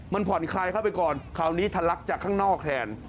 มันผ่อนคลายเข้าไปก่อนคราวนี้ทะลักจากข้างนอกแทน